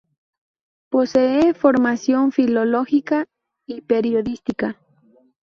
Posee formación filológica y periodística.